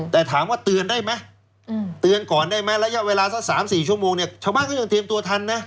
แต่ถามว่าเตือนได้ไหมเตือนก่อนได้ไหมระยะเวลาสัก๓๔ชั่วโมงเนี่ยชาวบ้านก็ยังเตรียมตัวทันนะ